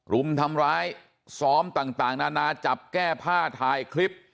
รุมทำร้ายซ้อมต่างนานาจับแก้ผ้าถ่ายคลิป